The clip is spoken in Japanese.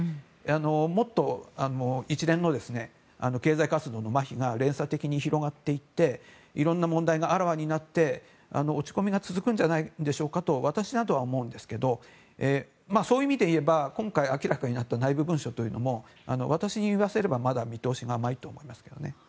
もっと一連の経済活動のまひが連鎖的に広がっていっていろんな問題があらわになって落ち込みが続くんじゃないでしょうかと私などは思うんですけどそういう意味でいえば今回、明らかになった内部文書というのも私に言わせればまだ見通しが甘いと思いますね。